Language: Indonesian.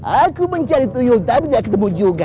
aku mencari tuyu tapi gak ketemu juga